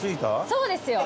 そうですよ！